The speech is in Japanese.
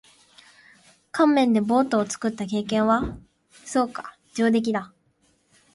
乾麺でボートを作った経験は？そうか。上出来だ。